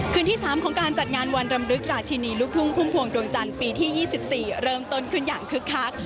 คืนที่๓ของการจัดงานวันรำลึกราชินีลูกทุ่งพุ่มพวงดวงจันทร์ปีที่๒๔เริ่มต้นขึ้นอย่างคึกคัก